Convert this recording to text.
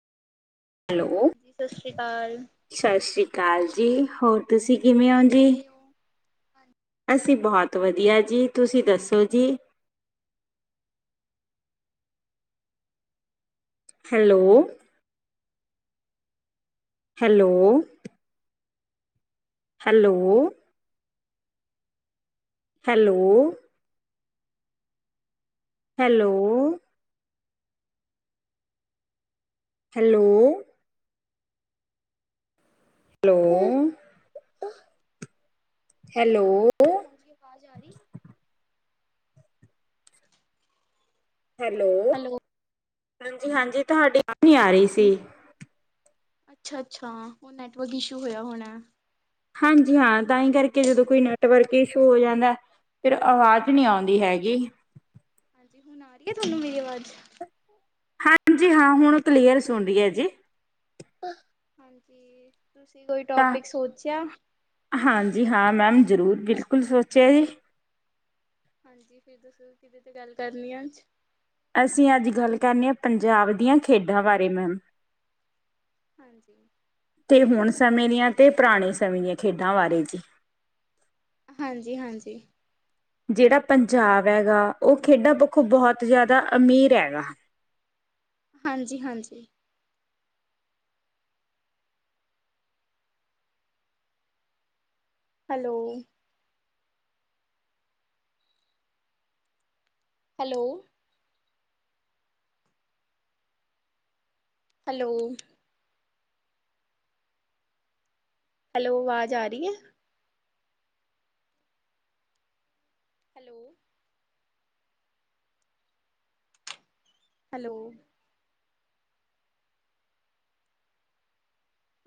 Hello, ਜੀ ਸਤਿ ਸ਼੍ਰੀ ਅਕਾਲ। ਸਤਿ ਸ਼੍ਰੀ ਅਕਾਲ ਜੀ ਹੋਰ ਤੁਸੀਂ ਕਿਵੇਂ ਹੋ ਹੋਰ ਜੀ। ਕਿਵੇਂ ਹੋ? ਹਾਂਜੀ, ਅਸੀ ਬਹੁਤ ਵਧੀਆ ਜੀ, ਤੁਸੀਂ ਦੱਸੋ ਜੀ। Hello. Hello. Hello. Hello. Hello. Hello. Hello hello. ਅਵਾਜ ਆ ਰੀ ਏ। ਹੈਲੋ, ਹਾਂਜੀ-ਹਾਂਜੀ ਤੁਹਾਡੀ ਅਵਾਜ ਨੀ ਆ ਰਹੀ ਸੀ। ਅੱਛਾ-ਅੱਛਾ, ਉਹ ਨੈਟਵਰਕ ਇਸ਼ੂ ਹੋਇਆ ਹੋਣਾ ਏ। ਹਾਂਜੀ ਹਾਂ, ਤਾਂ ਹੀ ਕਰਕੇ ਜਦੋਂ ਕੋਈ ਨੈਟਵਰਕ ਇਸ਼ੂ ਹੋ ਜਾਂਦਾ ਹੈ ਫਿਰ ਆਵਾਜ਼ ਨਹੀਂ ਆਉਂਦੀ ਹੈਗੀ। ਹਾਂਜੀ, ਹੁਣ ਆ ਰਹੀ ਹੈ ਤੁਹਾਨੂੰ ਮੇਰੀ ਆਵਾਜ਼। ਹਾਂਜੀ, ਹਾਂ ਹੁਣ ਕਲੀਅਰ ਸੁਣ ਰਹੀ ਹੈ ਜੀ। ਹਾਂਜੀ। ਤੁਸੀਂ ਕੋਈ ਤਾਂ ਟੋਪਿਕ ਸੋਚਿਆ? ਹਾਂਜੀ ਹਾਂ ਮੈਮ ਜ਼ਰੂਰ ਬਿਲਕੁਲ ਸੋਚਿਆ ਜੀ। ਹਾਂਜੀ, ਫਿਰ ਤੁੱਸੀ ਕਿਦੇ ਤੇ ਗੱਲ ਕਰਨੀ ਐ ਅੱਜ। ਅਸੀਂ ਅੱਜ ਗੱਲ ਕਰਨੀ ਹੈ ਪੰਜਾਬ ਦੀਆਂ ਖੇਡਾਂ ਬਾਰੇ ਮੈਮ ਹਾਂਜੀ। ਤੇ ਹੁਣ ਸਮੇਂ ਦੀਆਂ ਤੇ ਪੁਰਾਣੇ ਸਮੇਂ ਦੀਆਂ ਖੇਡਾਂ ਬਾਰੇ ਜੀ। ਹਾਂਜੀ-ਹਾਂਜੀ। ਜਿਹੜਾ ਪੰਜਾਬ ਹੈਗਾ ਉਹ ਖੇਡਾਂ ਪੱਖੋਂ ਬਹੁਤ ਜ਼ਿਆਦਾ ਅਮੀਰ ਹੈਗਾ। [inaudible] ਹਾਂਜੀ-ਹਾਂਜੀ। ਹੈਲੋ। ਹੈਲੋ। ਹੈਲੋ। ਹੈਲੋ, ਆਵਾਜ਼ ਆ ਰਹੀ ਹੈ। ਹੈਲੋ। ਹੈਲੋ।